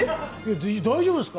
大丈夫ですか？